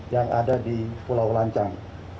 yang ada di pulau lancang